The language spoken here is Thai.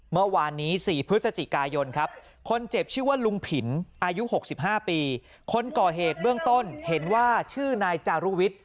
เมื่อวานนี้๔พฤศจิกายนครับคนเจ็บชื่อว่าลุงผินอายุ๖๕ปีคนก่อเหตุเบื้องต้นเห็นว่าชื่อนายจารุวิทย์